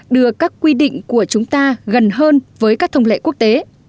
đưa các quy định của chúng ta gần hơn với các thông lệ quốc tế